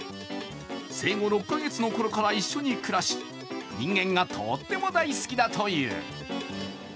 生後６カ月のころから一緒に暮らし人間がとっても大好きだという。